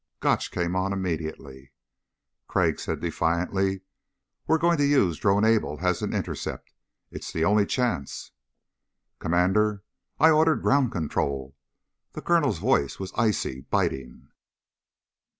Gotch came on immediately. Crag said defiantly. "We're going to use Drone Able as an intercept. It's the only chance." "Commander, I ordered ground control." The Colonel's voice was icy, biting.